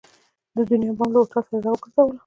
د دنیا بام له هوټل سره یې را وګرځولو.